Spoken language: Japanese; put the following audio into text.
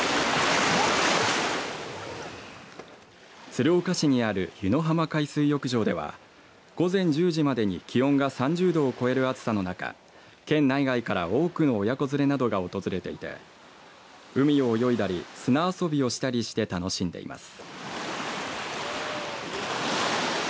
鶴岡市にある湯野浜海水浴場では午前１０時までに気温が３０度を超える暑さの中県内外から多くの親子連れなどが訪れていて海を泳いだり砂遊びをしたりして楽しんでいます。